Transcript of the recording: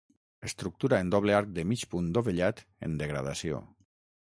Estructura en doble arc de mig punt dovellat en degradació.